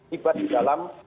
tiba tiba di dalam